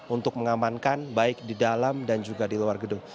untuk mengamankan baik di dalam dan juga di luar gedung